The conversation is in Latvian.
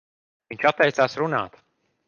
Viņš atteicās runāt.